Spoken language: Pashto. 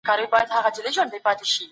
فرمايي چي د خدای رحمت ډیر پراخ دی.